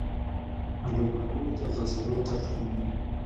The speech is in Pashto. آلوبالو د عضلو درد کموي.